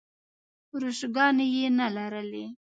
ورشوګانې یې نه لرلې.